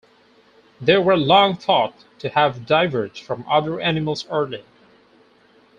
They were long thought to have diverged from other animals early.